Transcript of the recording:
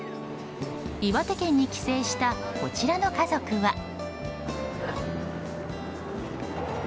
岩手県に帰省したこちらの家族は。